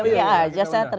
ya aja saya teringin